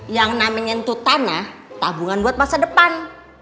yang namanya nyentuh tanah tabungan buat masa depan